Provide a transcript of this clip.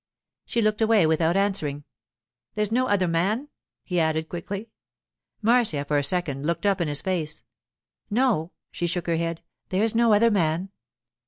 She looked away without answering. 'There's no other man?' he added quickly. Marcia for a second looked up in his face. 'No,' she shook her head, 'there's no other man.